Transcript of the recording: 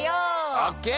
オッケー！